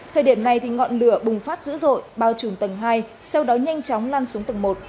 thời điểm này ngọn lửa bùng phát dữ dội bao trùm tầng hai sau đó nhanh chóng lan xuống tầng một